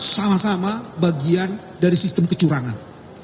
sama sama bagian dari sistem kecurangan